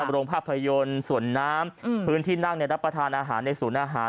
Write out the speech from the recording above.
โรงภาพยนตร์สวนน้ำพื้นที่นั่งรับประทานอาหารในศูนย์อาหาร